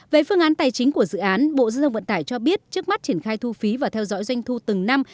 về phương án tài chính của dự án bộ giao thông vận tải cho biết trước mắt triển khai thu phí và theo dõi doanh thu từng năm